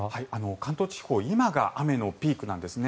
関東地方今が雨のピークなんですね。